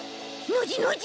ノジノジ？